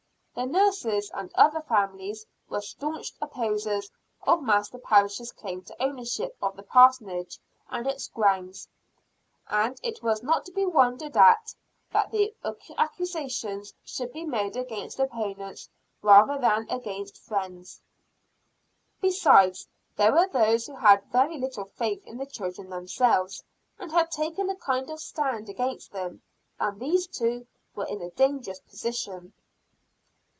The Nurses and other families were staunch opposers of Master Parris's claim to ownership of the Parsonage and its grounds. And it was not to be wondered at, that the accusations should be made against opponents rather than against friends. Besides, there were those who had very little faith in the children themselves, and had taken a kind of stand against them; and these too, were in a dangerous position.